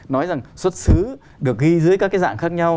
nói rằng xuất xứ được ghi dưới các cái dạng khác nhau